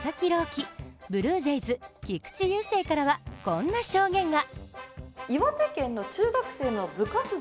希、ブルージェイズ・菊池雄星からはこんな証言が。